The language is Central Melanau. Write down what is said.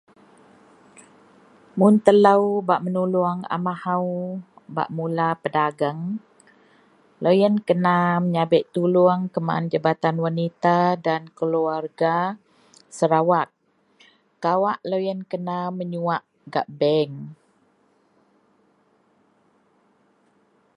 mun telou bak menulung a mahou bak mula pedagang, loyien kena meyabek tulung kuman jabatan wanita dan keluarga sarawak, kawak loyien kena menyuwak gak bank.